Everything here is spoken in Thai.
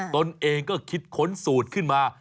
ตนเองก็คิดค้นสูตรขึ้นมา